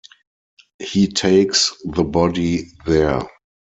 He takes the body there.